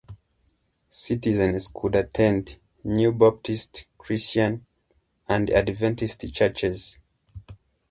Citizens could attend new Baptist, Christian, and Adventist churches.